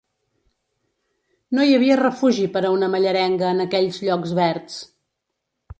No hi havia refugi per a una mallerenga en aquells llocs verds.